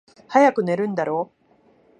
早く寝るんだろ？